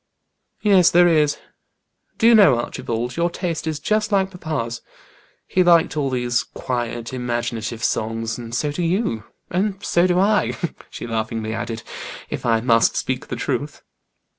"Yes, there is. Do you know, Archibald, your taste is just like papa's. He liked all these quiet, imaginative songs, and so do you. And so do I," she laughingly added, "if I must speak the truth."